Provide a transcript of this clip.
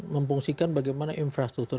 memfungsikan bagaimana infrastruktur